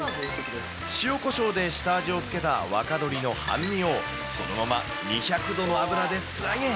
塩こしょうで下味をつけた若鶏の半身を、そのまま２００度の油で素揚げ。